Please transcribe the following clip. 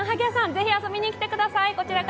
是非、遊びに来てください。